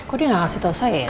kok dia gak ngasih tau saya ya